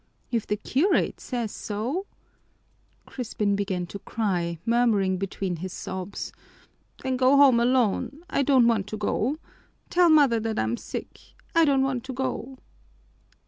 "If the curate says so " Crispin began to cry, murmuring between his sobs, "Then go home alone! I don't want to go. Tell mother that I'm sick. I don't want to go."